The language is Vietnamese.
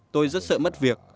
tôi rất sợ mất việc